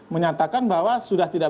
menyatakan bahwa sudah tidak